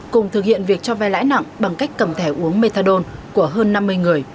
cùng thực hiện việc cho vai lãi nặng bằng cách cầm thẻ uống methadone của hơn năm mươi người